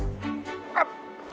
あっ。